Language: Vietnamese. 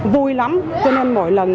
vui lắm cho nên mỗi lần